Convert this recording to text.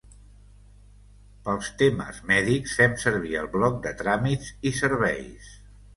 Pels temes mèdics fem servir el bloc de tràmits i serveis.